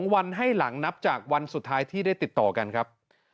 วันให้หลังนับจากวันสุดท้ายที่ได้ติดต่อกันครับ